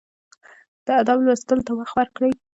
د ادب لوستلو ته وخت ورکړئ.